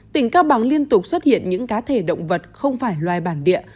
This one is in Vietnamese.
tỉnh cao bằng liên tục xuất hiện những cá thể động vật không phải loài bản địa